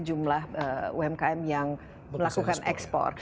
jumlah umkm yang melakukan ekspor